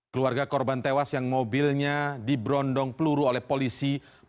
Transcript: keluarga korban tewas yang mobilnya diberondong peluru oleh polisi